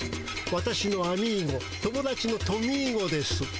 私のアミーゴ友だちのトミーゴです。